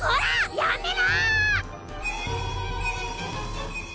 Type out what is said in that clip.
やめろ！